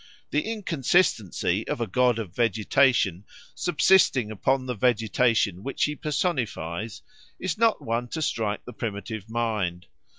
The inconsistency of a god of vegetation subsisting upon the vegetation which he personifies is not one to strike the primitive mind.